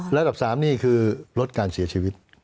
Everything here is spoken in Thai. ระดับ๓นี่คือลดการเสียชีวิต